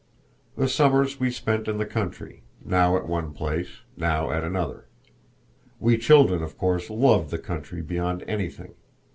The summers we spent in the country, now at one place, now at another. We children, of course, loved the country beyond anything.